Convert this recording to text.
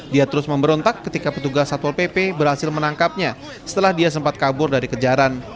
dia terus memberontak ketika petugas satpol pp berhasil menangkapnya setelah dia sempat kabur dari kejaran